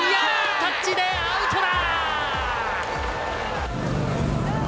タッチでアウトだ。